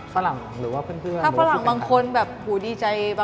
ทุกครั้งที่เมย์ชนะ